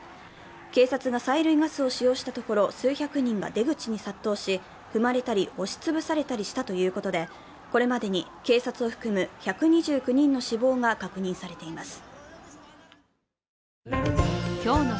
警察が催涙ガスを使用したところ、数百人が出口に殺到し、踏まれたり押し潰されたりしたということでこれまでに警察を含む１２９人の死亡が確認されています。